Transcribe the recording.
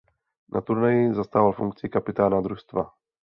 Na turnaji zastával funkci kapitána družstva.